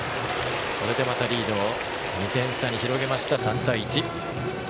これでまたリードを２点差に広げました３対１。